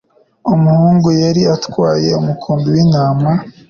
Umuhungu yari atwaye umukumbi wintama.